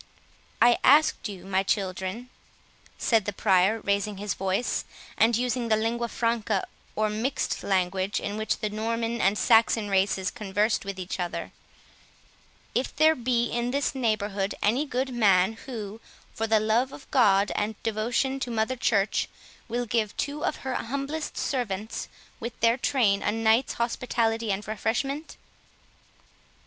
"I asked you, my children," said the Prior, raising his voice, and using the lingua Franca, or mixed language, in which the Norman and Saxon races conversed with each other, "if there be in this neighbourhood any good man, who, for the love of God, and devotion to Mother Church, will give two of her humblest servants, with their train, a night's hospitality and refreshment?"